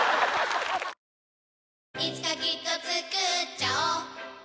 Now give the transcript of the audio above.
いつかきっとつくっちゃおう